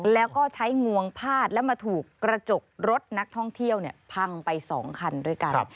แล้วก็ใช้งวงพาดและมาถูกกระจกรถนักท่องเที่ยวพังไป๒คันด้วยกัน